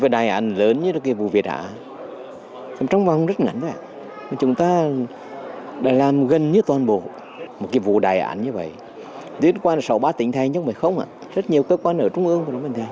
điện thoại sáu mươi ba tỉnh thái nhất mà không ạ rất nhiều cơ quan ở trung ương